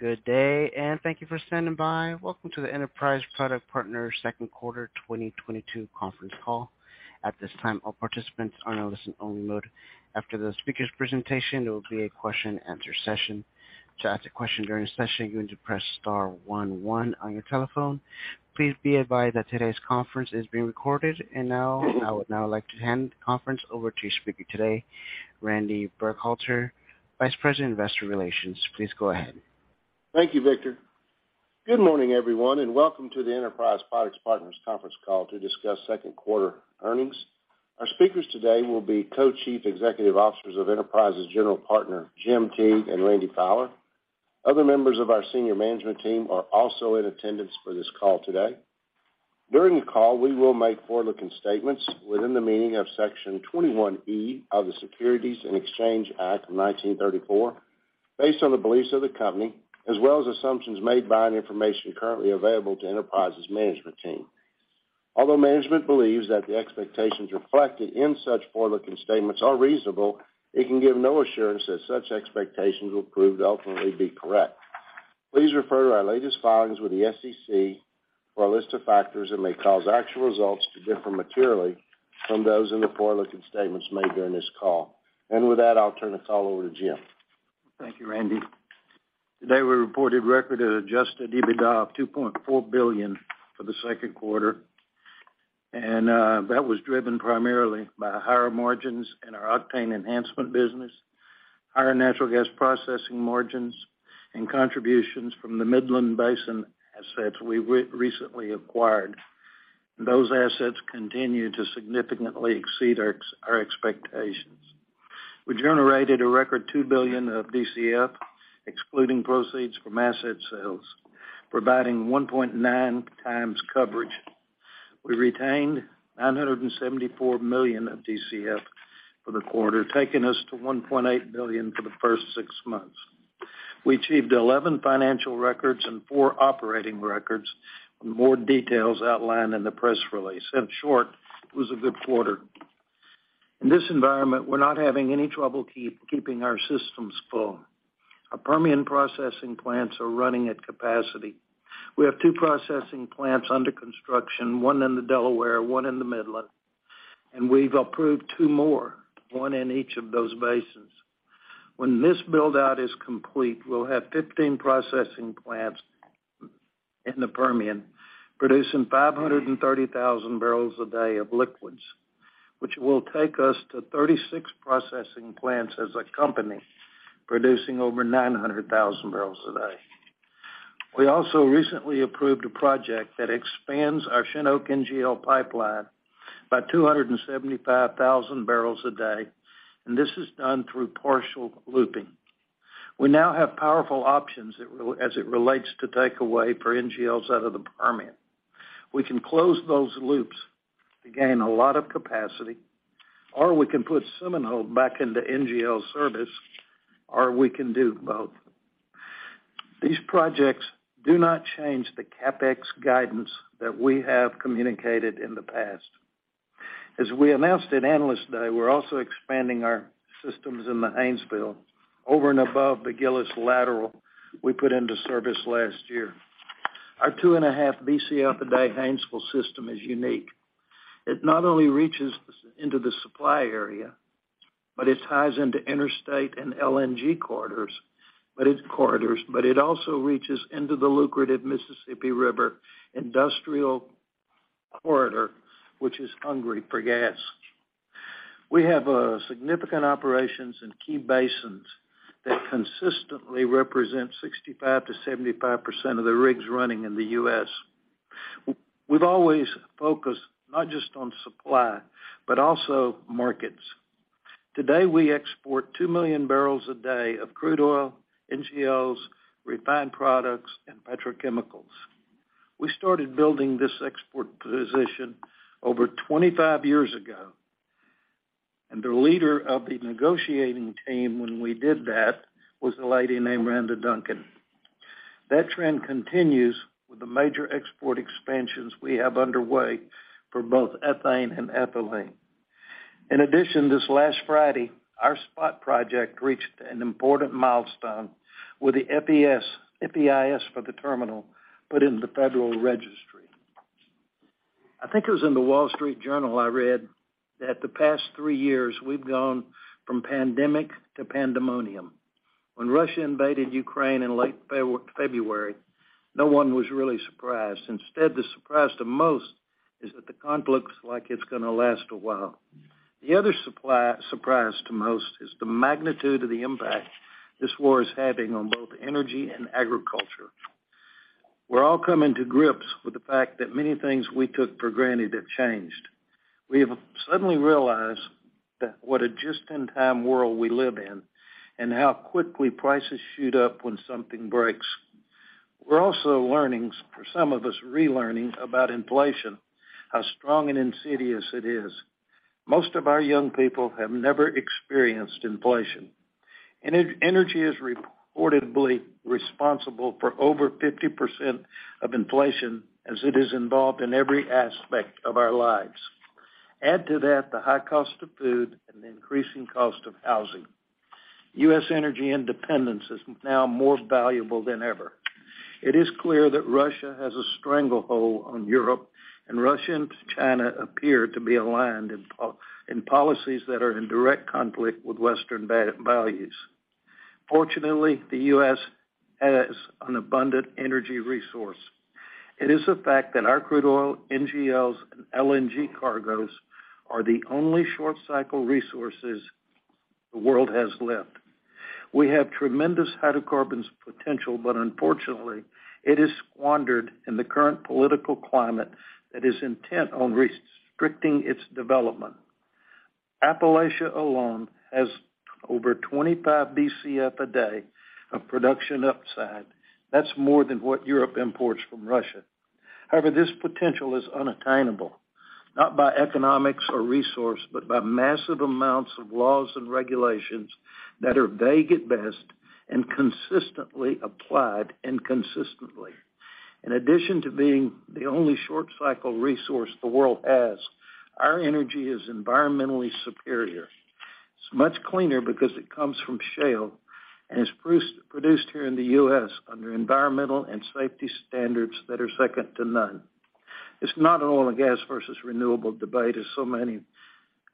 Good day, and thank you for standing by. Welcome to the Enterprise Products Partners Second Quarter 2022 Conference Call. At this time, all participants are in a listen only mode. After the speaker's presentation, there will be a question and answer session. To ask a question during the session, you need to press star one one on your telephone. Please be advised that today's conference is being recorded. Now, I would now like to hand the conference over to your speaker today, Randy Burkhalter, Vice President, Investor Relations. Please go ahead. Thank you, Victor. Good morning, everyone, and welcome to the Enterprise Products Partners conference call to discuss second quarter earnings. Our speakers today will be Co-Chief Executive Officers of Enterprise's General Partner, Jim Teague and Randy Fowler. Other members of our senior management team are also in attendance for this call today. During the call, we will make forward-looking statements within the meaning of Section 21E of the Securities Exchange Act of 1934, based on the beliefs of the Company, as well as assumptions made by and information currently available to Enterprise's management team. Although management believes that the expectations reflected in such forward-looking statements are reasonable, it can give no assurance that such expectations will prove to ultimately be correct. Please refer to our latest filings with the SEC for a list of factors that may cause actual results to differ materially from those in the forward-looking statements made during this call. With that, I'll turn the call over to Jim. Thank you, Randy. Today, we reported record of adjusted EBITDA of $2.4 billion for the second quarter, and that was driven primarily by higher margins in our octane enhancement business, higher natural gas processing margins and contributions from the Midland Basin assets we recently acquired. Those assets continue to significantly exceed our expectations. We generated a record $2 billion of DCF, excluding proceeds from asset sales, providing 1.9 times coverage. We retained $974 million of DCF for the quarter, taking us to $1.8 billion for the first six months. We achieved 11 financial records and four operating records, with more details outlined in the press release. In short, it was a good quarter. In this environment, we're not having any trouble keeping our systems full. Our Permian processing plants are running at capacity. We have two processing plants under construction, one in the Delaware, one in the Midland, and we've approved two more, one in each of those basins. When this build-out is complete, we'll have 15 processing plants in the Permian, producing 530,000 barrels a day of liquids. Which will take us to 36 processing plants as a company, producing over 900,000 barrels a day. We also recently approved a project that expands our Chinook NGL pipeline by 275,000 barrels a day, and this is done through partial looping. We now have powerful options as it relates to takeaway for NGLs out of the Permian. We can close those loops to gain a lot of capacity, or we can put Seminole back into NGL service, or we can do both. These projects do not change the CapEx guidance that we have communicated in the past. As we announced at Analyst Day, we're also expanding our systems in the Haynesville over and above the Gillis Lateral we put into service last year. Our 2.5 Bcf a day Haynesville system is unique. It not only reaches into the supply area, but it ties into interstate and LNG corridors, but it also reaches into the lucrative Mississippi River industrial corridor, which is hungry for gas. We have significant operations in key basins that consistently represent 65%-75% of the rigs running in the U.S. We've always focused not just on supply, but also markets. Today, we export 2 million barrels a day of crude oil, NGLs, refined products and petrochemicals. We started building this export position over 25 years ago, and the leader of the negotiating team when we did that was a lady named Randa Duncan. That trend continues with the major export expansions we have underway for both Ethane and Ethylene. In addition, this last Friday, our SPOT project reached an important milestone with the FEIS for the terminal put into the Federal Registry. I think it was in The Wall Street Journal I read that the past three years we've gone from pandemic to pandemonium. When Russia invaded Ukraine in late February, no one was really surprised. Instead, the surprise to most is that the conflict looks like it's gonna last a while. The other surprise to most is the magnitude of the impact this war is having on both energy and agriculture. We're all coming to grips with the fact that many things we took for granted have changed. We have suddenly realized that what a just-in-time world we live in and how quickly prices shoot up when something breaks. We're also learning, for some of us, relearning about inflation, how strong and insidious it is. Most of our young people have never experienced inflation. Energy is reportedly responsible for over 50% of inflation as it is involved in every aspect of our lives. Add to that the high cost of food and the increasing cost of housing. U.S. energy independence is now more valuable than ever. It is clear that Russia has a stranglehold on Europe, and Russia and China appear to be aligned in policies that are in direct conflict with Western values. Fortunately, the U.S. has an abundant energy resource. It is a fact that our crude oil, NGLs, and LNG cargos are the only short-cycle resources the world has left. We have tremendous hydrocarbons potential, but unfortunately, it is squandered in the current political climate that is intent on restricting its development. Appalachia alone has over 25 Bcf a day of production upside. That's more than what Europe imports from Russia. However, this potential is unattainable, not by economics or resource, but by massive amounts of laws and regulations that are vague at best and consistently applied inconsistently. In addition to being the only short-cycle resource the world has, our energy is environmentally superior. It's much cleaner because it comes from shale and is produced here in the U.S. under environmental and safety standards that are second to none. It's not an oil and gas versus renewable debate as so many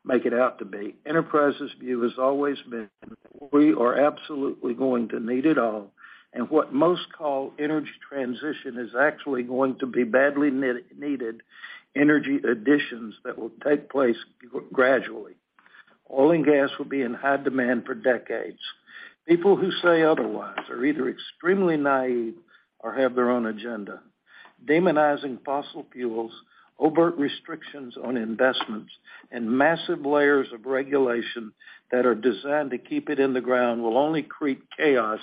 make it out to be. Enterprise's view has always been, we are absolutely going to need it all, and what most call energy transition is actually going to be badly needed energy additions that will take place gradually. Oil and gas will be in high demand for decades. People who say otherwise are either extremely naive or have their own agenda. Demonizing fossil fuels, overt restrictions on investments, and massive layers of regulation that are designed to keep it in the ground will only create chaos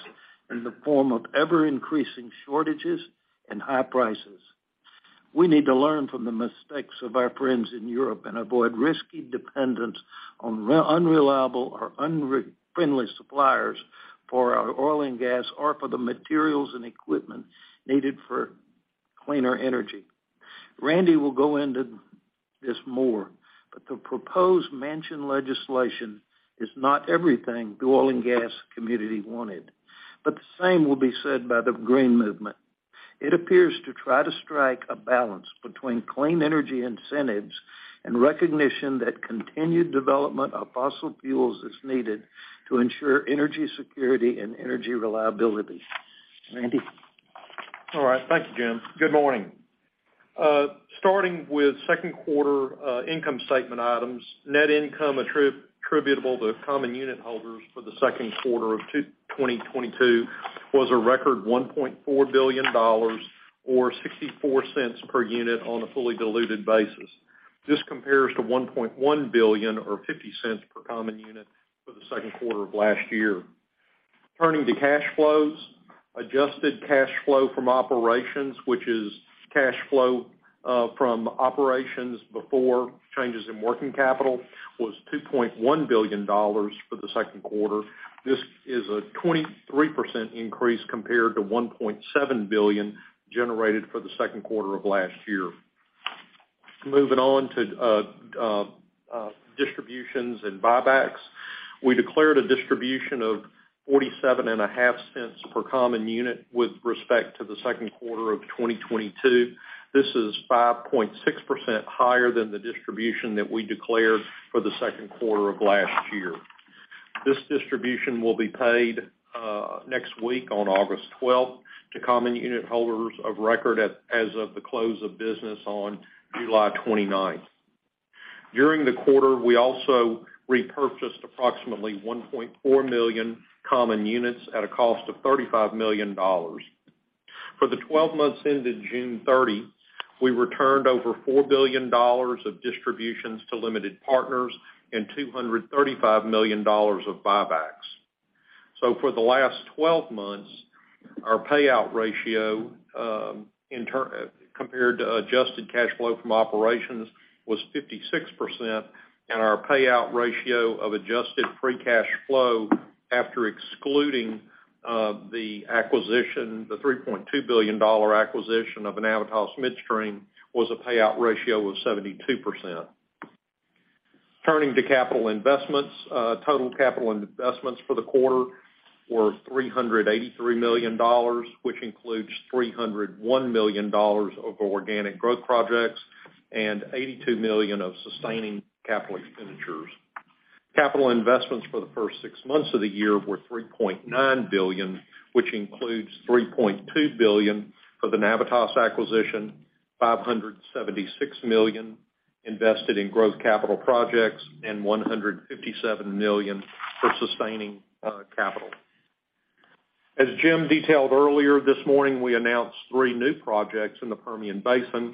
in the form of ever-increasing shortages and high prices. We need to learn from the mistakes of our friends in Europe and avoid risky dependence on unreliable or unfriendly suppliers for our oil and gas or for the materials and equipment needed for cleaner energy. Randy will go into this more, but the proposed Manchin legislation is not everything the oil and gas community wanted. The same will be said by the green movement. It appears to try to strike a balance between clean energy incentives and recognition that continued development of fossil fuels is needed to ensure energy security and energy reliability. Randy? All right. Thank you, Jim. Good morning. Starting with second quarter income statement items, net income attributable to common unit holders for the second quarter of 2022 was a record $1.4 billion or $0.64 per unit on a fully diluted basis. This compares to $1.1 billion or $0.50 per common unit for the second quarter of last year. Turning to cash flows. Adjusted cash flow from operations, which is cash flow from operations before changes in working capital, was $2.1 billion for the second quarter. This is a 23% increase compared to $1.7 billion generated for the second quarter of last year. Moving on to distributions and buybacks. We declared a distribution of $0.475 per common unit with respect to the second quarter of 2022. This is 5.6% higher than the distribution that we declared for the second quarter of last year. This distribution will be paid next week on August 12 to common unit holders of record as of the close of business on July 29. During the quarter, we also repurchased approximately 1.4 million common units at a cost of $35 million. For the 12 months ended June 30, we returned over $4 billion of distributions to limited partners and $235 million of buybacks. For the last 12 months, our payout ratio compared to adjusted cash flow from operations was 56%, and our payout ratio of adjusted free cash flow after excluding the acquisition, the $3.2 billion acquisition of Navitas Midstream, was a payout ratio of 72%. Turning to capital investments. Total capital investments for the quarter were $383 million, which includes $301 million of organic growth projects and $82 million of sustaining capital expenditures. Capital investments for the first six months of the year were $3.9 billion, which includes $3.2 billion for the Navitas acquisition, $576 million invested in growth capital projects, and $157 million for sustaining capital. As Jim detailed earlier this morning, we announced three new projects in the Permian Basin,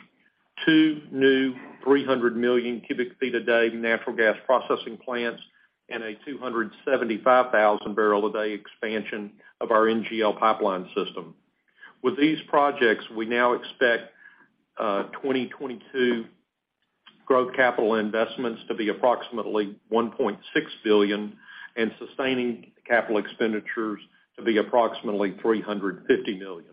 two new 300 million cubic feet a day natural gas processing plants and a 275,000 barrel a day expansion of our NGL pipeline system. With these projects, we now expect 2022 growth capital investments to be approximately $1.6 billion and sustaining capital expenditures to be approximately $350 million.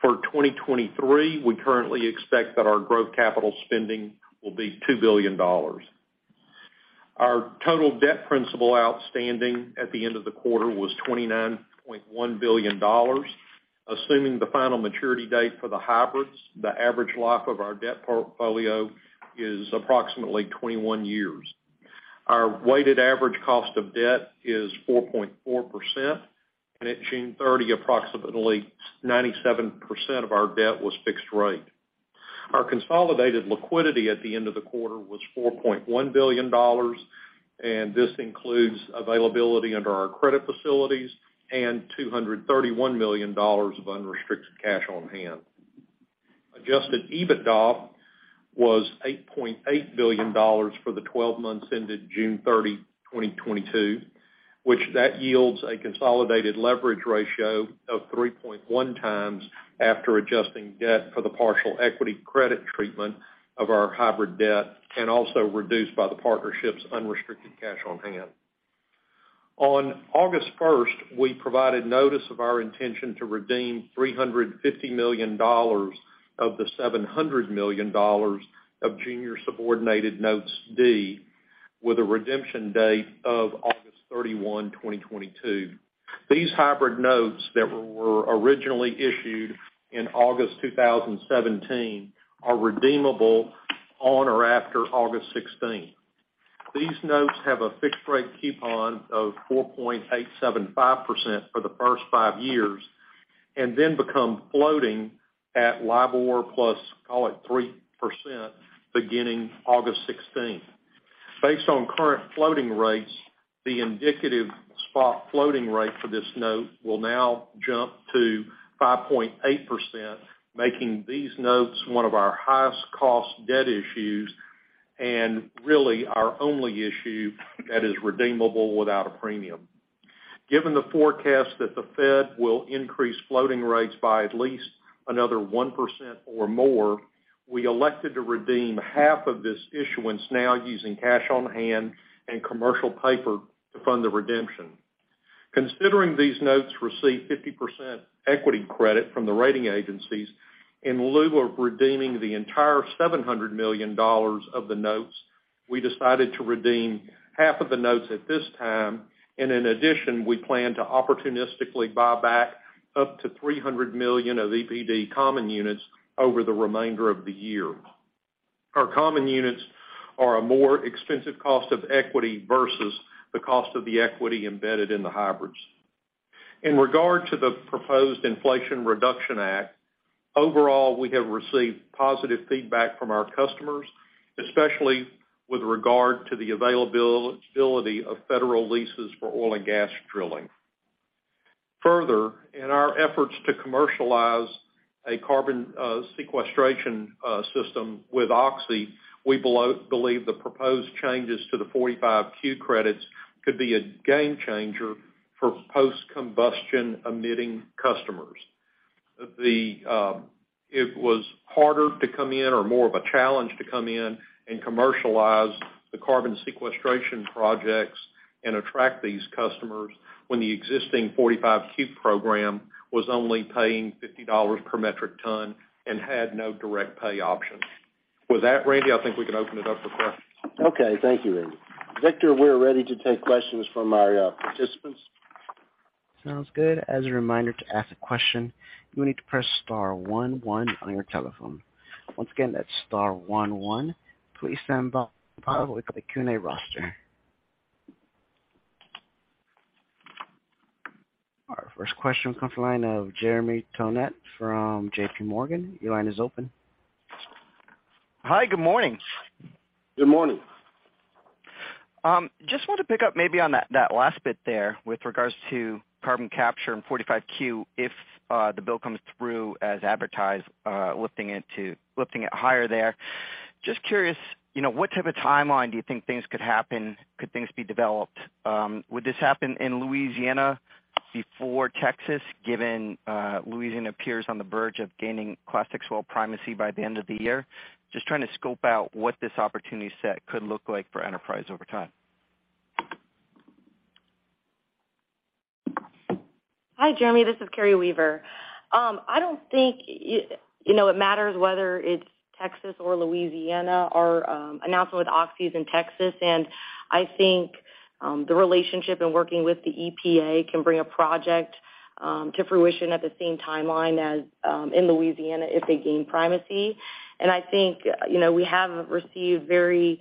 For 2023, we currently expect that our growth capital spending will be $2 billion. Our total debt principal outstanding at the end of the quarter was $29.1 billion. Assuming the final maturity date for the hybrids, the average life of our debt portfolio is approximately 21 years. Our weighted average cost of debt is 4.4%, and at June 30, approximately 97% of our debt was fixed-rate. Our consolidated liquidity at the end of the quarter was $4.1 billion, and this includes availability under our credit facilities and $231 million of unrestricted cash on hand. Adjusted EBITDA was $8.8 billion for the 12 months ended June 30, 2022, which yields a consolidated leverage ratio of 3.1 times after adjusting debt for the partial equity credit treatment of our hybrid debt and also reduced by the partnership's unrestricted cash on hand. On August 1, we provided notice of our intention to redeem $350 million of the $700 million of junior subordinated notes D with a redemption date of August 31, 2022. These hybrid notes that were originally issued in August 2017 are redeemable on or after August 16. These notes have a fixed-rate coupon of 4.875% for the first 5 years and then become floating at LIBOR plus, call it, 3% beginning August 16. Based on current floating-rates, the indicative spot floating rate for this note will now jump to 5.8%, making these notes one of our highest cost debt issues and really our only issue that is redeemable without a premium. Given the forecast that the Fed will increase floating-rates by at least another 1% or more, we elected to redeem half of this issuance now using cash on hand and commercial paper to fund the redemption. Considering these notes receive 50% equity credit from the rating agencies, in lieu of redeeming the entire $700 million of the notes, we decided to redeem half of the notes at this time. In addition, we plan to opportunistically buy back up to 300 million of EPD common units over the remainder of the year. Our common units are a more expensive cost of equity versus the cost of the equity embedded in the hybrids. In regard to the proposed Inflation Reduction Act, overall, we have received positive feedback from our customers, especially with regard to the availability of federal leases for oil and gas drilling. Further, in our efforts to commercialize a carbon sequestration system with Oxy, we believe the proposed changes to the 45Q credits could be a game changer for post-combustion emitting customers. It was harder to come in or more of a challenge to come in and commercialize the carbon sequestration projects and attract these customers when the existing 45Q program was only paying $50 per metric ton and had no direct pay options. With that, Randy, I think we can open it up for questions. Okay. Thank you, Randy. Victor, we're ready to take questions from our participants. Sounds good. As a reminder, to ask a question, you will need to press star one one on your telephone. Once again, that's star one one. Please stand by while we pull the Q&A roster. Our first question comes from the line of Jeremy Tonet from J.P. Morgan. Your line is open. Hi. Good morning. Good morning. Just want to pick up maybe on that last bit there with regards to carbon capture and Section 45Q, if the bill comes through as advertised, lifting it higher there. Just curious, you know, what type of timeline do you think things could happen? Could things be developed? Would this happen in Louisiana before Texas, given Louisiana appears on the verge of gaining Class VI well primacy by the end of the year? Just trying to scope out what this opportunity set could look like for Enterprise over time. Hi, Jeremy. This is Carrie Weaver. I don't think it, you know, it matters whether it's Texas or Louisiana. Our announcement with Oxy is in Texas, and I think the relationship and working with the EPA can bring a project to fruition at the same timeline as in Louisiana if they gain primacy. I think, you know, we have received very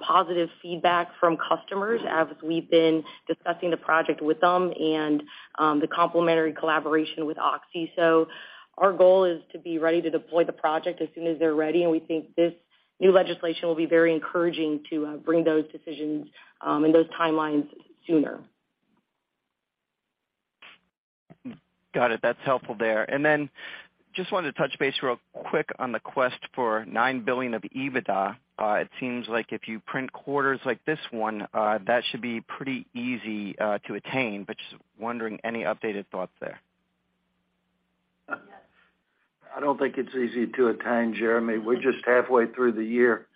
positive feedback from customers as we've been discussing the project with them and the complementary collaboration with Oxy. Our goal is to be ready to deploy the project as soon as they're ready, and we think this new legislation will be very encouraging to bring those decisions and those timelines sooner. Got it. That's helpful there. Just wanted to touch base real quick on the quest for 9 billion of EBITDA. It seems like if you print quarters like this one, that should be pretty easy to attain. Just wondering any updated thoughts there. I don't think it's easy to attain, Jeremy. We're just halfway through the year.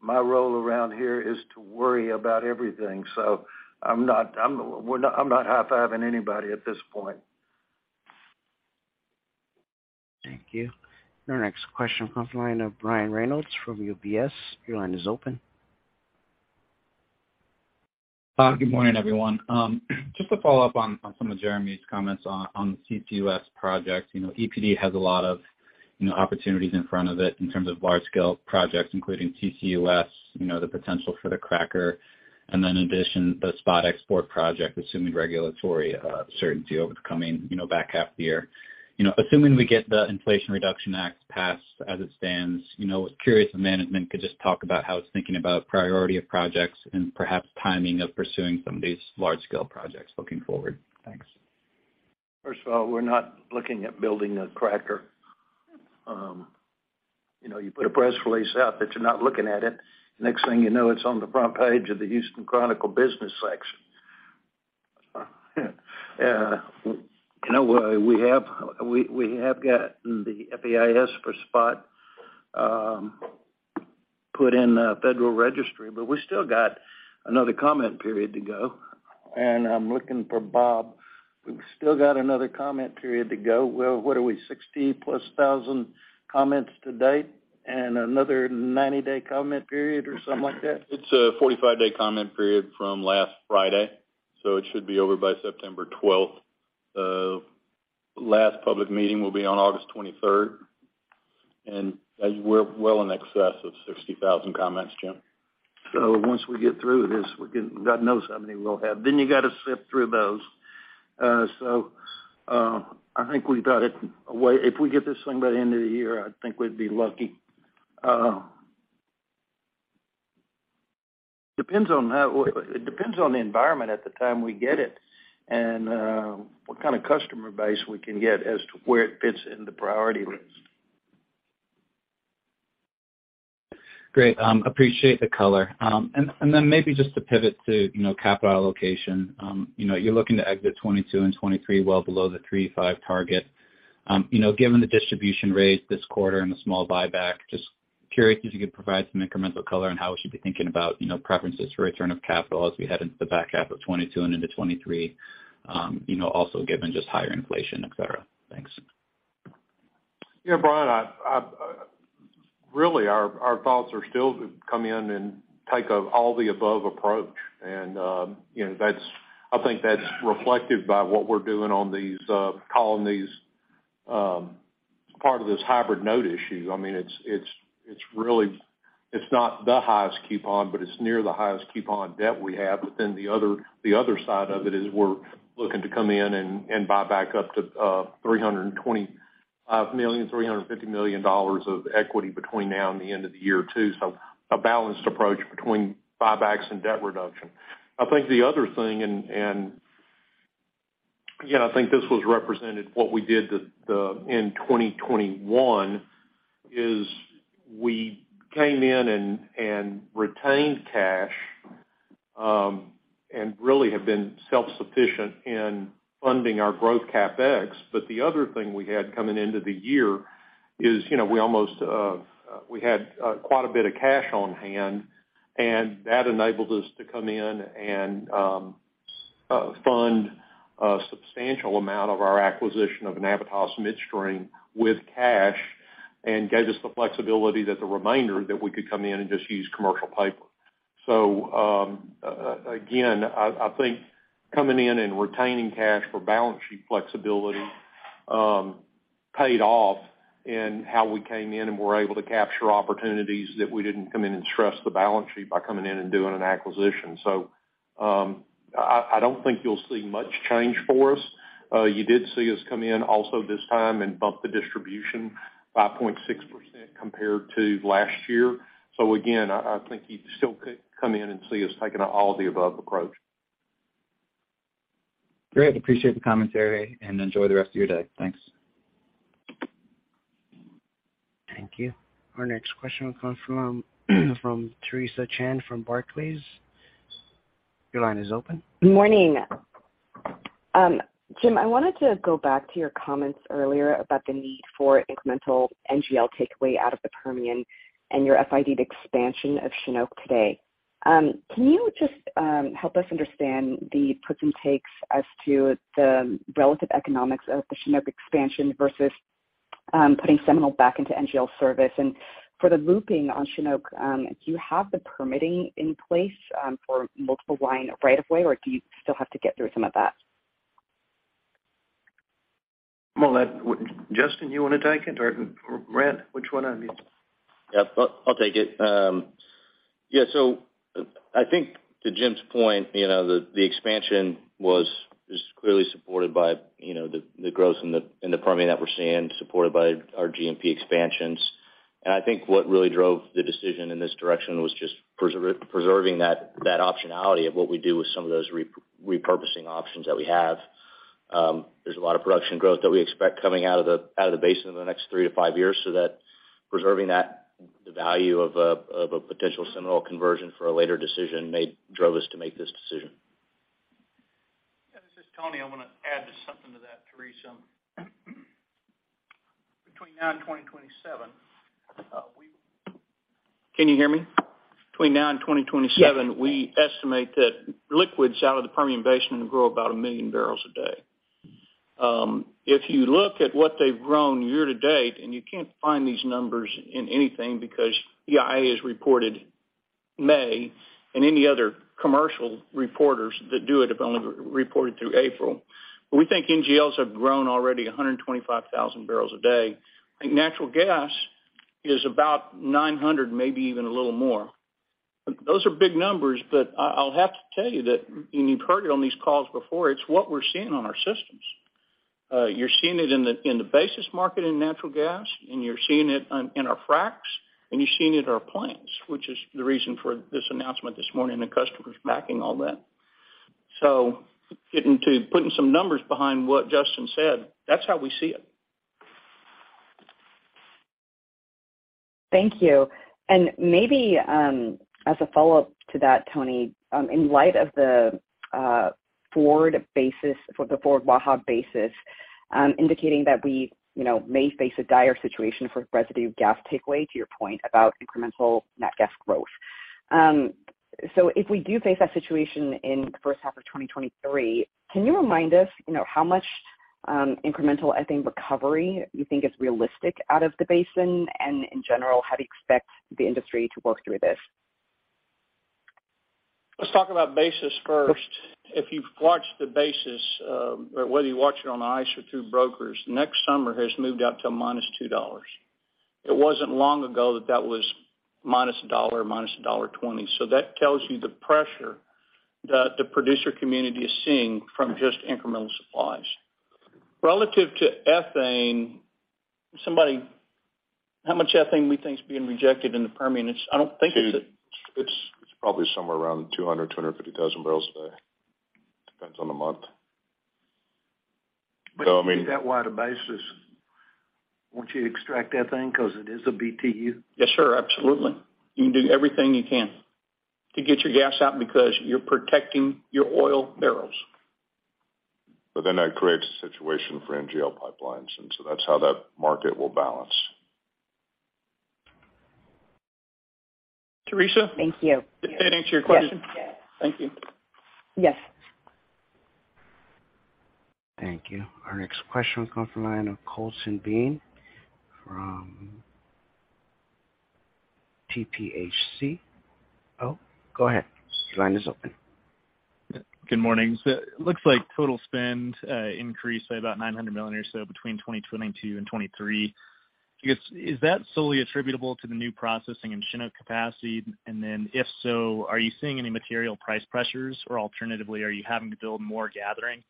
My role around here is to worry about everything, so I'm not high-fiving anybody at this point. Thank you. Our next question comes from the line of Brian Reynolds from UBS. Your line is open. Good morning, everyone. Just to follow up on some of Jeremy's comments on CCUS projects. You know, EPD has a lot of, you know, opportunities in front of it in terms of large-scale projects, including CCUS, you know, the potential for the cracker. In addition, the SPOT export project, assuming regulatory certainty over the coming, you know, back half of the year. You know, assuming we get the Inflation Reduction Act passed as it stands, you know, was curious if management could just talk about how it's thinking about priority of projects and perhaps timing of pursuing some of these large-scale projects looking forward. Thanks. First of all, we're not looking at building a cracker. You know, you put a press release out that you're not looking at it, next thing you know, it's on the front page of the Houston Chronicle Business section. You know, we have gotten the FEIS for SPOT, put in the Federal Register, but we still got another comment period to go. I'm looking for Bob. We've still got another comment period to go. Well, what are we? 60,000+ comments to date and another 90-day comment period or something like that? It's a 45-day comment period from last Friday, so it should be over by September 12. The last public meeting will be on August 23, and as we're well in excess of 60,000 comments, Jim. Once we get through this, we're getting God knows how many we'll have, then you got to sift through those. I think we've got it a way. If we get this thing by the end of the year, I think we'd be lucky. It depends on the environment at the time we get it and what kind of customer base we can get as to where it fits in the priority list. Great. Appreciate the color. Maybe just to pivot to, you know, capital allocation. You know, you're looking to exit 2022 and 2023 well below the three- to five-target. You know, given the distribution rate this quarter and the small buyback, just curious if you could provide some incremental color on how we should be thinking about, you know, preferences for return of capital as we head into the back half of 2022 and into 2023, you know, also given just higher inflation, et cetera. Thanks. Yeah, Brian. Really, our thoughts are still to come in and take an all-the-above approach. You know, that's reflected by what we're doing on these, calling these part of this hybrid note issue. I mean, it's really not the highest coupon, but it's near the highest coupon debt we have. The other side of it is we're looking to come in and buy back up to $325 million-$350 million of equity between now and the end of the year too. A balanced approach between buybacks and debt reduction. I think the other thing, again, I think this was represented what we did in 2021, is we came in and retained cash, and really have been self-sufficient in funding our growth CapEx. The other thing we had coming into the year is, you know, we had quite a bit of cash on hand, and that enabled us to come in and fund a substantial amount of our acquisition of Navitas Midstream with cash and gave us the flexibility that the remainder that we could come in and just use commercial paper. Again, I think coming in and retaining cash for balance sheet flexibility paid off in how we came in and were able to capture opportunities that we didn't come in and stress the balance sheet by coming in and doing an acquisition. I don't think you'll see much change for us. You did see us come in also this time and bump the distribution by 0.6% compared to last year. Again, I think you still could come in and see us taking an all-the-above approach. Great. Appreciate the commentary, and enjoy the rest of your day. Thanks. Thank you. Our next question will come from Theresa Chen from Barclays. Your line is open. Morning. Jim, I wanted to go back to your comments earlier about the need for incremental NGL takeaway out of the Permian and your FID expansion of Chinook today. Can you just help us understand the puts and takes as to the relative economics of the Chinook expansion versus putting Seminole back into NGL service? For the looping on Chinook, do you have the permitting in place for multiple line right-of-way, or do you still have to get through some of that? Well, Justin, you wanna take it or Brent? Which one of you? Yeah, I'll take it. Yeah, I think to Jim's point, you know, the expansion is clearly supported by, you know, the growth in the Permian that we're seeing, supported by our G&P expansions. I think what really drove the decision in this direction was just preserving that optionality of what we do with some of those repurposing options that we have. There's a lot of production growth that we expect coming out of the basin in the next three to five years. Preserving the value of a potential Seminole conversion for a later decision drove us to make this decision. Between now and 2027, we estimate that liquids out of the Permian Basin will grow about 1 million barrels a day. If you look at what they've grown year to date, and you can't find these numbers in anything because EIA has reported May and any other commercial reporters that do it have only reported through April. We think NGLs have grown already 125,000 barrels a day. I think natural gas is about 900, maybe even a little more. Those are big numbers, but I'll have to tell you that, and you've heard it on these calls before, it's what we're seeing on our systems. You're seeing it in the basis market in natural gas, and you're seeing it in our FRACs, and you're seeing it in our plants, which is the reason for this announcement this morning, the customers backing all that. Getting to putting some numbers behind what Justin said, that's how we see it. Thank you. Maybe as a follow-up to that, Tony, in light of the forward basis for the forward Waha basis indicating that we, you know, may face a dire situation for residue gas takeaway, to your point about incremental net gas growth. If we do face that situation in the H1 of 2023, can you remind us, you know, how much incremental, I think, recovery you think is realistic out of the basin? In general, how do you expect the industry to work through this? Let's talk about basis first. If you've watched the basis, or whether you watch it on ICE or through brokers, next summer has moved out to minus $2. It wasn't long ago that that was minus $1, minus $1.20. That tells you the pressure that the producer community is seeing from just incremental supplies. Relative to Ethane, somebody, how much Ethane we think is being rejected in the Permian? I don't think it's a- It's probably somewhere around 250,000 barrels a day. Depends on the month. I mean If you get that wide a basis, won't you extract Ethane because it is a Btu? Yes, sir. Absolutely. You can do everything you can to get your gas out because you're protecting your oil barrels. that creates a situation for NGL pipelines, and so that's how that market will balance. Teresa? Thank you. Did that answer your question? Yes. Thank you. Yes. Thank you. Our next question will come from the line of Colton Bean from TPH&Co. Oh, go ahead. Line is open. Good morning. It looks like total spend increased by about $900 million or so between 2022 and 2023. I guess, is that solely attributable to the new processing and Chinook capacity? Then if so, are you seeing any material price pressures? Alternatively, are you having to build more gathering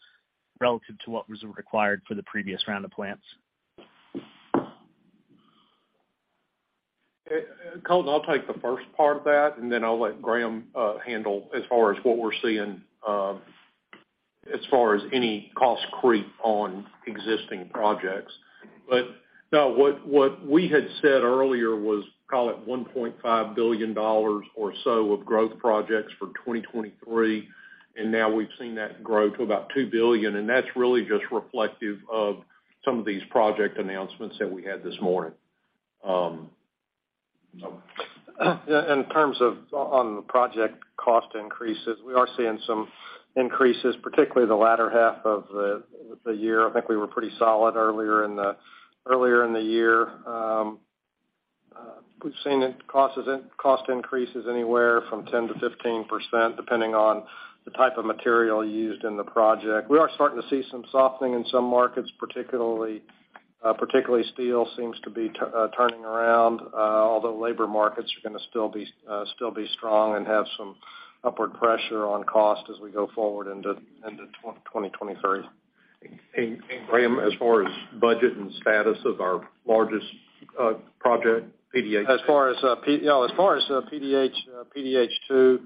relative to what was required for the previous round of plants? Colton, I'll take the first part of that, and then I'll let Graham handle as far as what we're seeing as far as any cost creep on existing projects. No, what we had said earlier was call it $1.5 billion or so of growth projects for 2023, and now we've seen that grow to about $2 billion, and that's really just reflective of some of these project announcements that we had this morning. Yeah. In terms of on the project cost increases, we are seeing some increases, particularly the latter half of the year. I think we were pretty solid earlier in the year. We've seen cost increases anywhere from 10%-15%, depending on the type of material used in the project. We are starting to see some softening in some markets, particularly steel seems to be turning around. Although labor markets are gonna still be strong and have some upward pressure on cost as we go forward into 2023. Graham, as far as budget and status of our largest project, PDH. As far as PDH 2,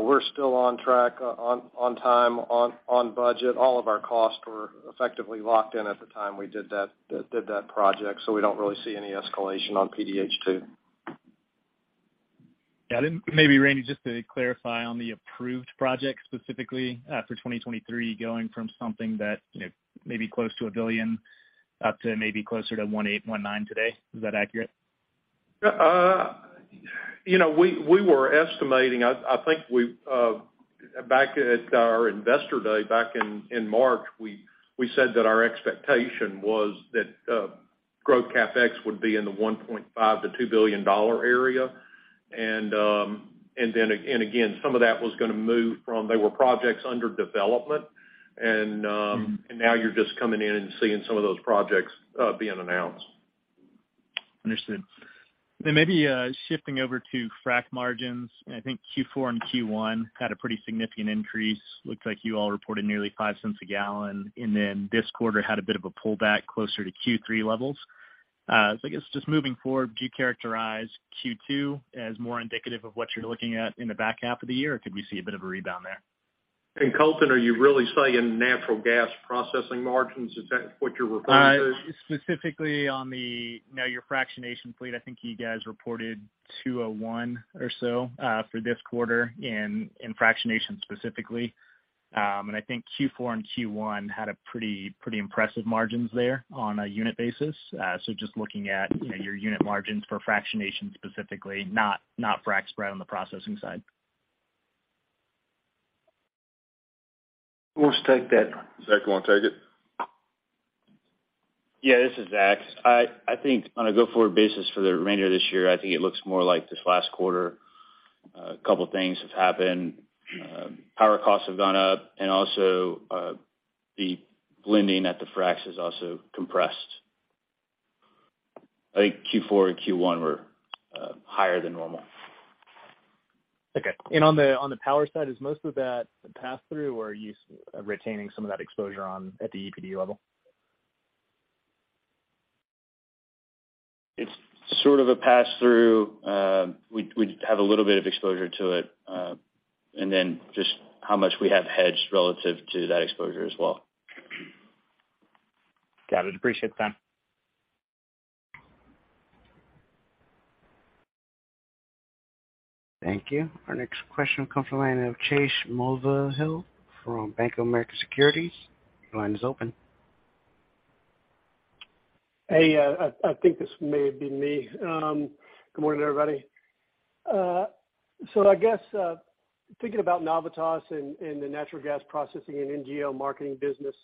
we're still on track, on time, on budget. All of our costs were effectively locked in at the time we did that project, so we don't really see any escalation on PDH 2. Yeah. Maybe, Randy, just to clarify on the approved project, specifically, for 2023, going from something that, you know, may be close to $1 billion up to maybe closer to $1.8-$1.9 billion today. Is that accurate? You know, we were estimating. I think, back at our Investor Day back in March, we said that our expectation was that growth CapEx would be in the $1.5 billion-$2 billion area. Then again, some of that was gonna move. They were projects under development, and now you're just coming in and seeing some of those projects being announced. Understood. Maybe shifting over to FRAC margins. I think Q4 and Q1 had a pretty significant increase. Looks like you all reported nearly $0.05 a gallon, and then this quarter had a bit of a pullback closer to Q3 levels. I guess just moving forward, do you characterize Q2 as more indicative of what you're looking at in the back half of the year? Or could we see a bit of a rebound there? Colton, are you really saying natural gas processing margins? Is that what you're referring to? Specifically on the, you know, your fractionation fleet. I think you guys reported 201 or so for this quarter in fractionation specifically. I think Q4 and Q1 had a pretty impressive margins there on a unit basis. Just looking at, you know, your unit margins for fractionation specifically, not FRAC spread on the processing side. Who wants to take that one? Zach, you wanna take it? Yeah, this is Zach. I think on a go-forward basis for the remainder of this year, I think it looks more like this last quarter. A couple of things have happened. Power costs have gone up and also, the blending at the FRACs is also compressed. I think Q4 and Q1 were higher than normal. Okay. On the power side, is most of that a pass-through or are you retaining some of that exposure on at the EPD level? It's sort of a pass-through. We have a little bit of exposure to it, and then just how much we have hedged relative to that exposure as well. Got it. Appreciate the time. Thank you. Our next question comes from the line of Chase Mulvehill from Bank of America Securities. Your line is open. Hey, I think this may have been me. Good morning, everybody. Thinking about Navitas and the natural gas processing and NGL marketing business,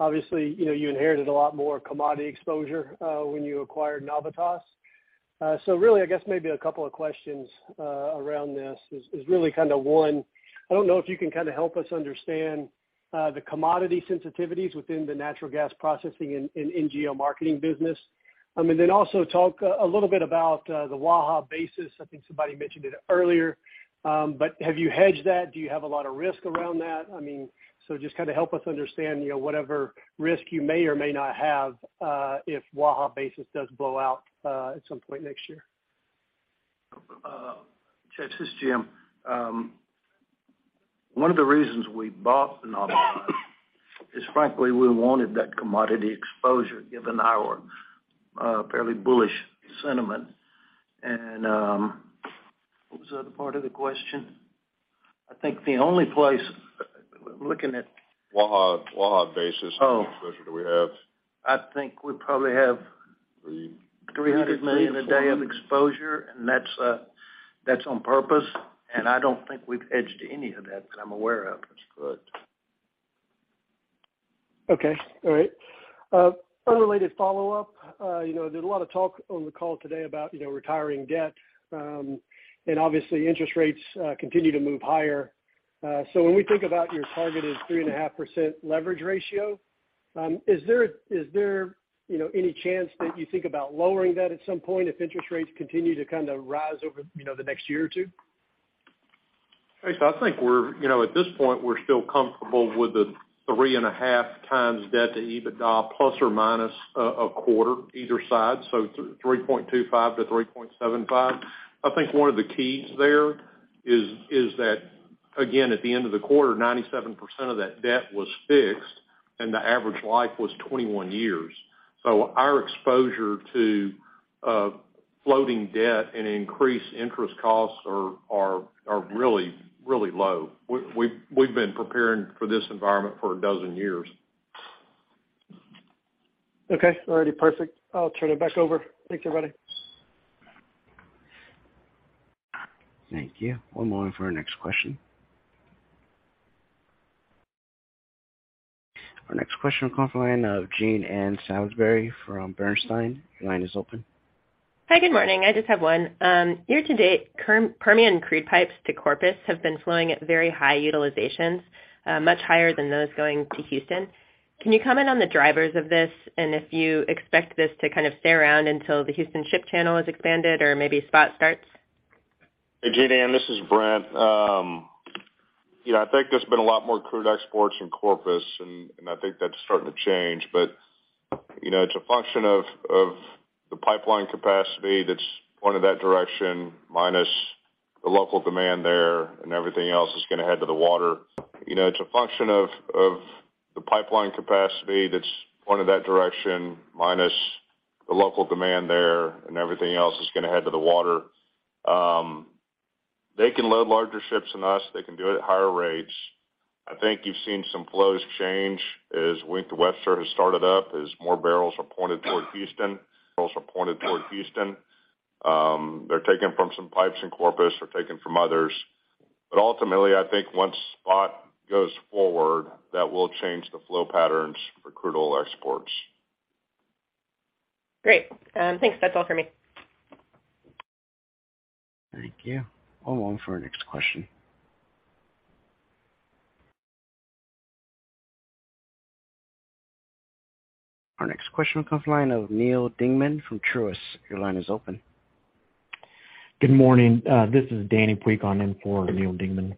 obviously, you know, you inherited a lot more commodity exposure when you acquired Navitas. Really, maybe a couple of questions around this is really kind of one. I don't know if you can kind of help us understand the commodity sensitivities within the natural gas processing and NGL marketing business. Also talk a little bit about the Waha basis. I think somebody mentioned it earlier. Have you hedged that? Do you have a lot of risk around that? I mean, just kind of help us understand, you know, whatever risk you may or may not have, if Waha basis does blow out, at some point next year? Chase, this is Jim. One of the reasons we bought Navitas is, frankly, we wanted that commodity exposure given our fairly bullish sentiment. What was the other part of the question? I think the only place. Waha basis. Oh. How much exposure do we have? I think we probably have. Three- $300 million a day of exposure, and that's on purpose. I don't think we've hedged any of that I'm aware of. That's good. Okay. All right. Unrelated follow-up. You know, there's a lot of talk on the call today about, you know, retiring debt, and obviously, interest rates continue to move higher. So when we think about your targeted 3.5% leverage ratio, is there, you know, any chance that you think about lowering that at some point if interest rates continue to kind of rise over, you know, the next year or two? Chase, I think we're you know, at this point, we're still comfortable with the 3.5x debt to EBITDA, plus or minus a quarter either side. 3.25-3.75. I think one of the keys there is that, again, at the end of the quarter, 97% of that debt was fixed and the average life was 21 years. Our exposure to floating debt and increased interest costs are really low. We've been preparing for this environment for 12 years. Okay. All righty. Perfect. I'll turn it back over. Thanks, everybody. Thank you. One moment for our next question. Our next question comes from the line of Jean Ann Salisbury from Bernstein. Your line is open. Hi. Good morning. I just have one. Year-to-date, Permian crude pipes to Corpus have been flowing at very high utilizations, much higher than those going to Houston. Can you comment on the drivers of this, and if you expect this to kind of stay around until the Houston ship channel is expanded or maybe SPOT starts? Hey, Geneanne, this is Brent. You know, I think there's been a lot more crude exports in Corpus, and I think that's starting to change. You know, it's a function of the pipeline capacity that's pointed that direction, minus the local demand there and everything else is gonna head to the water. They can load larger ships than us. They can do it at higher rates. I think you've seen some flows change as Wink-to-Webster has started up, as more barrels are pointed toward Houston. They're taking from some pipes in Corpus. They're taking from others. Ultimately, I think once SPOT goes forward, that will change the flow patterns for crude oil exports. Great. Thanks. That's all for me. Thank you. One moment for our next question. Our next question comes from the line of Neal Dingmann from Truist. Your line is open. Good morning. This is Danny Puig standing in for Neal Dingmann.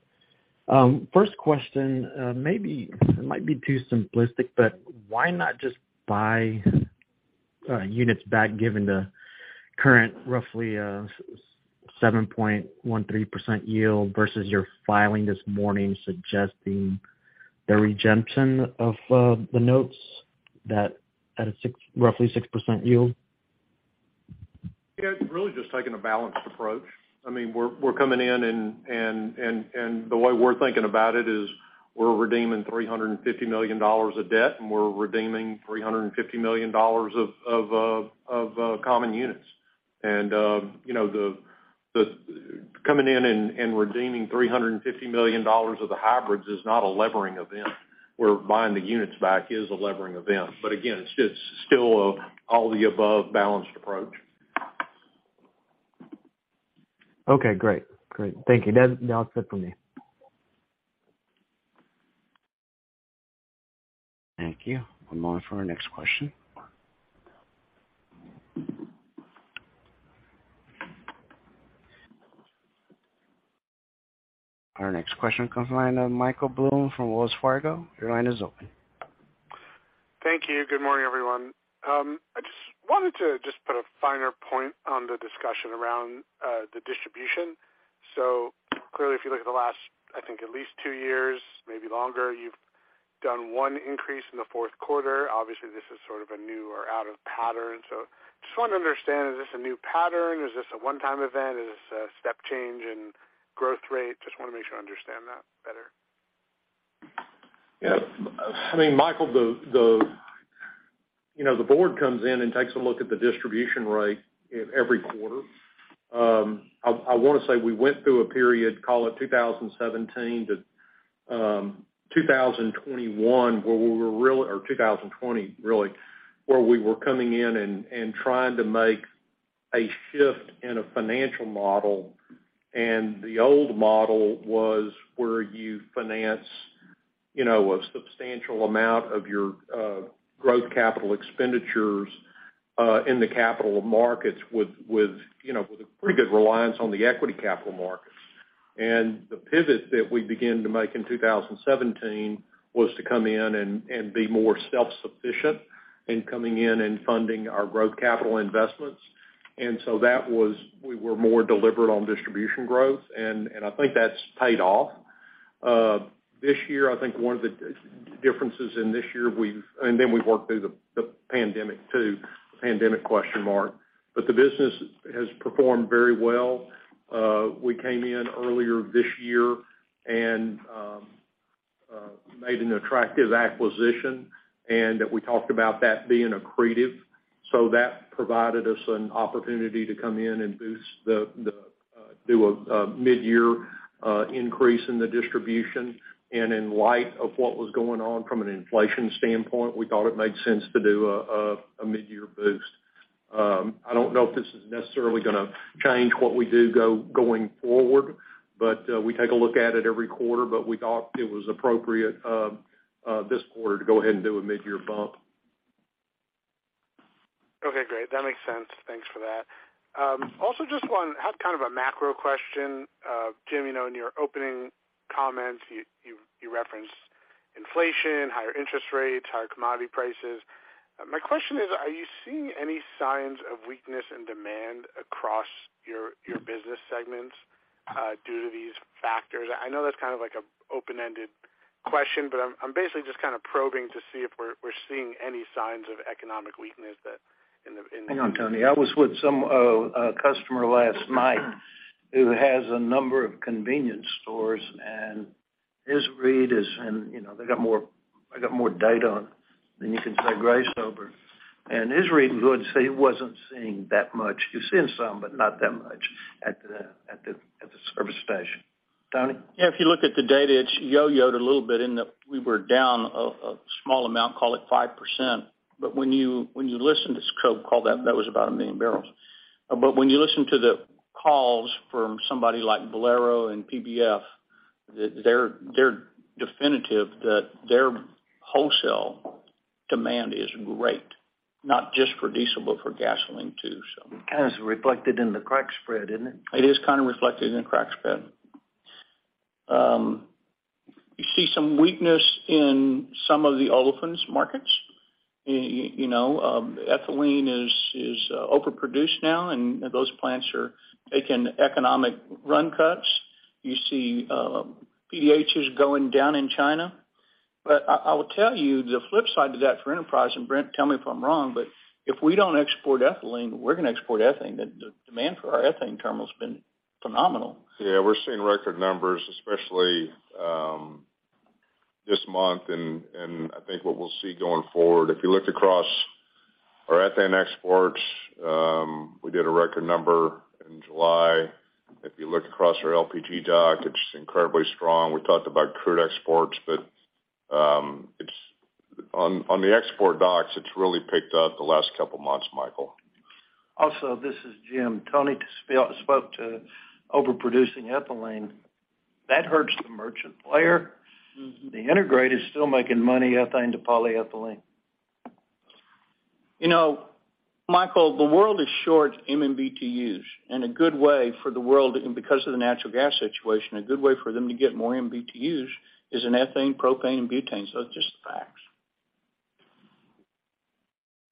First question, maybe it might be too simplistic, but why not just buy units back given the current roughly 7.13% yield versus your filing this morning suggesting the redemption of the notes that at a roughly 6% yield? Yeah, really just taking a balanced approach. I mean, we're coming in and the way we're thinking about it is we're redeeming $350 million of debt, and we're redeeming $350 million of common units. You know, coming in and redeeming $350 million of the hybrids is not a levering event, where buying the units back is a levering event. Again, it's just still a all-of-the-above balanced approach. Okay, great. Thank you. That's it for me. Thank you. One moment for our next question. Our next question comes from the line of Michael Blum from Wells Fargo. Your line is open. Thank you. Good morning, everyone. I just wanted to just put a finer point on the discussion around, the distribution. Clearly, if you look at the last, I think, at least two years, maybe longer, you've done one increase in the fourth quarter. Obviously, this is sort of a new or out of pattern. Just wanted to understand, is this a new pattern? Is this a one-time event? Is this a step change in growth rate? Just wanna make sure I understand that better. Yeah. I mean, Michael, you know, the board comes in and takes a look at the distribution rate in every quarter. I wanna say we went through a period, call it 2017 to 2021, or 2020, really, where we were coming in and trying to make a shift in a financial model, and the old model was where you finance, you know, a substantial amount of your growth capital expenditures in the capital markets with, you know, with a pretty good reliance on the equity capital markets. The pivot that we began to make in 2017 was to come in and be more self-sufficient in funding our growth capital investments. We were more deliberate on distribution growth, and I think that's paid off. This year, I think one of the differences in this year. We worked through the pandemic, too. The business has performed very well. We came in earlier this year and made an attractive acquisition, and we talked about that being accretive. That provided us an opportunity to come in and do a mid-year increase in the distribution. In light of what was going on from an inflation standpoint, we thought it made sense to do a mid-year boost. I don't know if this is necessarily gonna change what we do going forward, but we take a look at it every quarter, but we thought it was appropriate this quarter to go ahead and do a mid-year bump. Okay, great. That makes sense. Thanks for that. Also just one have kind of a macro question. A.J. Teague, you know, in your opening comments, you referenced inflation, higher interest rates, higher commodity prices. My question is, are you seeing any signs of weakness in demand across your business segments due to these factors? I know that's kind of like a open-ended question, but I'm basically just kind of probing to see if we're seeing any signs of economic weakness that in the, in the. Hang on, Tony. I was with a customer last night who has a number of convenience stores, and his read is, you know, I got more data on it than you can shake Grace over. His read was he wasn't seeing that much. He's seeing some, but not that much at the service station. Tony? Yeah, if you look at the data, it's yo-yoed a little bit in that we were down a small amount, call it 5%. When you listen to Scope call that was about 1 million barrels. When you listen to the calls from somebody like Valero and PBF, they're definitive that their wholesale demand is great, not just for diesel, but for gasoline too, so. Kind of reflected in the Crack Spread, isn't it? It is kind of reflected in the Crack Spread. You see some weakness in some of the Olefins markets. You know, ethylene is overproduced now, and those plants are taking economic run cuts. You see, PDH going down in China. I will tell you the flip side to that for Enterprise, and Brent, tell me if I'm wrong, but if we don't export ethylene, we're gonna export Ethane. The demand for our Ethane terminal's been phenomenal. Yeah, we're seeing record numbers, especially this month and I think what we'll see going forward. If you look across our Ethane exports, we did a record number in July. If you look across our LPG dock, it's incredibly strong. We talked about crude exports, but it's on the export docks, it's really picked up the last couple months, Michael. Also, this is Jim. Tony spoke to overproducing ethylene. That hurts the merchant player. Mm-hmm. The integrated is still making money, Ethane to polyethylene. You know, Michael, the world is short MMBtu, and a good way for the world, and because of the natural gas situation, a good way for them to get more MMBtu is in Ethane, Propane, and Butane. It's just the facts.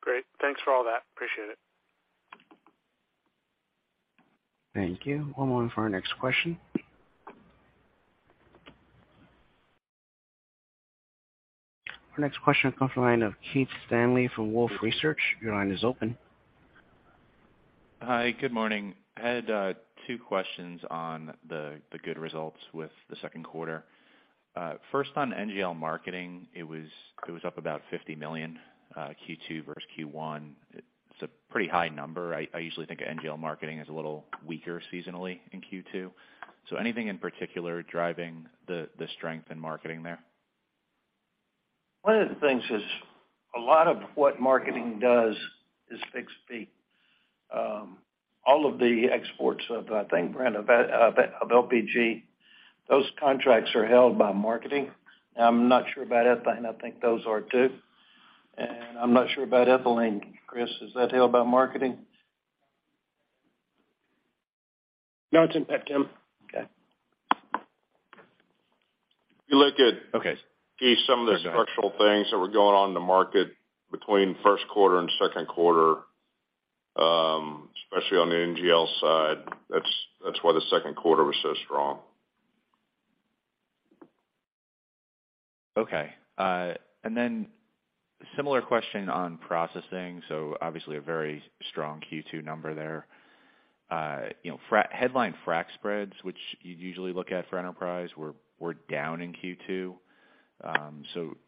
Great. Thanks for all that. Appreciate it. Thank you. One moment for our next question. Our next question comes from the line of Keith Stanley from Wolfe Research. Your line is open. Hi, good morning. I had two questions on the good results with the second quarter. First on NGL marketing, it was up about $50 million, Q2 versus Q1. It's a pretty high number. I usually think of NGL marketing as a little weaker seasonally in Q2. Anything in particular driving the strength in marketing there? One of the things is a lot of what marketing does is fixed fee. All of the exports of, I think, Brent, of LPG, those contracts are held by marketing. Now, I'm not sure about Ethane. I think those are, too. I'm not sure about ethylene. Chris, is that held by marketing? No, it's in PetChem. Okay. If you look at. Okay. Keith, some of the structural things that were going on in the market between first quarter and second quarter, especially on the NGL side, that's why the second quarter was so strong. Okay. Similar question on processing. Obviously a very strong Q2 number there. You know, headline FRAC spreads, which you usually look at for Enterprise were down in Q2.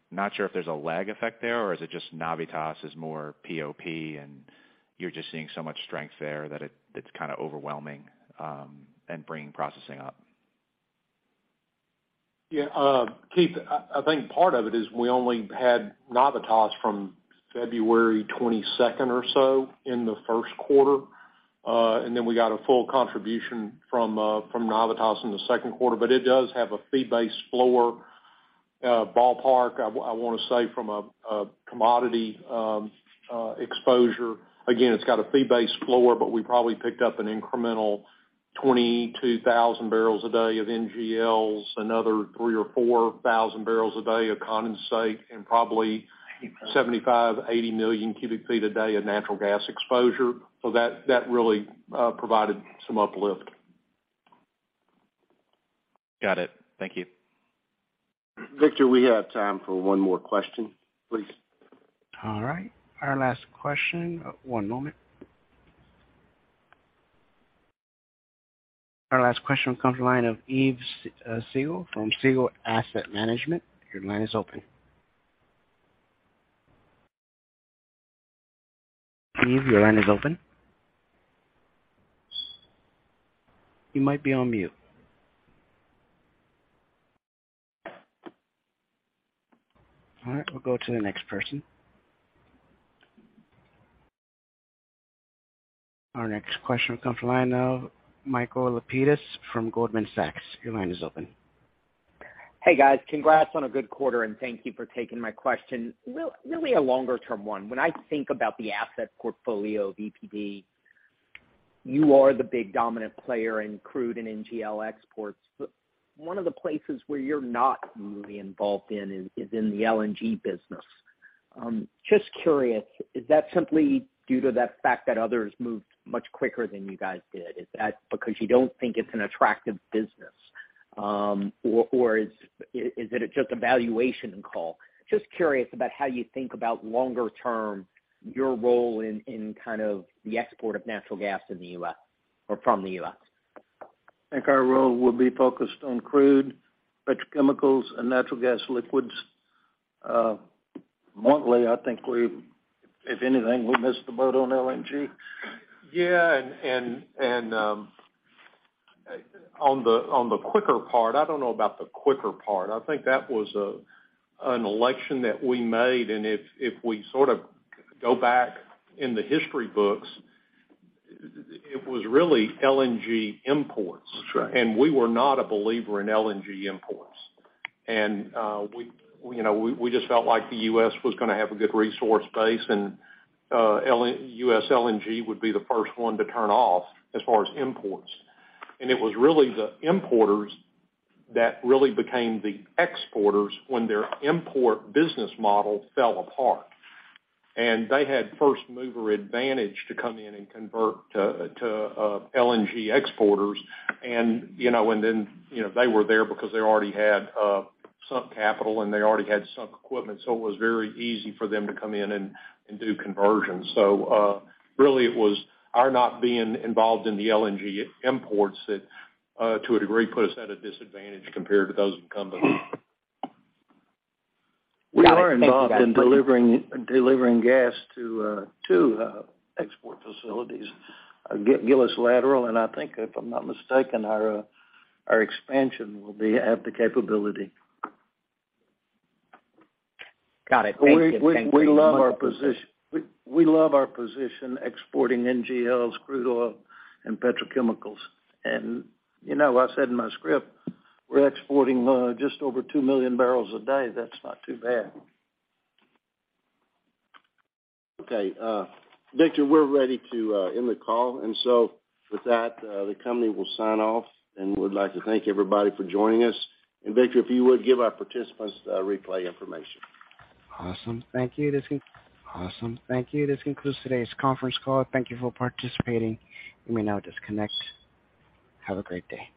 Not sure if there's a lag effect there or is it just Navitas is more POP and you're just seeing so much strength there that it's kind of overwhelming and bringing processing up? Keith, I think part of it is we only had Navitas from February 22 or so in the first quarter, and then we got a full contribution from Navitas in the second quarter. It does have a fee-based floor, ballpark. I wanna say from a commodity exposure, again, it's got a fee-based floor, but we probably picked up an incremental 22,000 barrels a day of NGLs, another 3,000 or 4,000 barrels a day of condensate, and probably 75-80 million cubic feet a day of natural gas exposure. That really provided some uplift. Got it. Thank you. Victor, we have time for one more question, please. All right. Our last question. One moment. Our last question comes from the line of Yves Siegel from Siegel Asset Management. Your line is open. Yves, your line is open. You might be on mute. All right, we'll go to the next person. Our next question comes from the line of Michael Lapides from Goldman Sachs. Your line is open. Hey, guys. Congrats on a good quarter, and thank you for taking my question. Really a longer term one. When I think about the asset portfolio of EPD, you are the big dominant player in crude and NGL exports. But one of the places where you're not really involved in is in the LNG business. Just curious, is that simply due to the fact that others moved much quicker than you guys did? Is that because you don't think it's an attractive business? Or is it just a valuation call? Just curious about how you think about longer term, your role in kind of the export of natural gas in the U.S. or from the U.S. I think our role will be focused on crude, petrochemicals, and natural gas liquids. Mainly, I think if anything, we missed the boat on LNG. Yeah. On the quicker part, I don't know about the quicker part. I think that was an election that we made. If we sort of go back in the history books, it was really LNG imports. That's right. We were not a believer in LNG imports. We just felt like the U.S. was gonna have a good resource base, and U.S. LNG would be the first one to turn off as far as imports. It was really the importers that really became the exporters when their import business model fell apart. They had first mover advantage to come in and convert to LNG exporters. They were there because they already had sunk capital, and they already had sunk equipment, so it was very easy for them to come in and do conversions. Really it was our not being involved in the LNG imports that to a degree put us at a disadvantage compared to those incumbents. Got it. Thank you, guys. We are involved in delivering gas to two export facilities. Gillis Lateral, and I think, if I'm not mistaken, our expansion will have the capability. Got it. Thank you. We love our position. We love our position exporting NGLs, crude oil, and petrochemicals. You know, I said in my script, we're exporting just over 2 million barrels a day. That's not too bad. Okay. Victor, we're ready to end the call. With that, the company will sign off, and we'd like to thank everybody for joining us. Victor, if you would, give our participants the replay information. Awesome. Thank you. This concludes today's conference call. Thank you for participating. You may now disconnect. Have a great day.